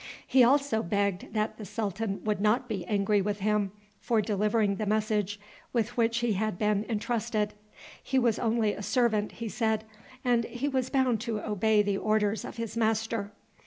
He also begged that the sultan would not be angry with him for delivering the message with which he had been intrusted. He was only a servant, he said, and he was bound to obey the orders of his master.